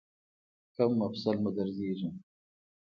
کوم مفصل مو دردیږي؟